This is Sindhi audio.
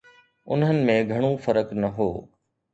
انهن ۾ گهڻو فرق نه هو